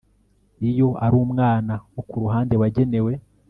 iyo ari umwanya wo ku ruhande wagenewe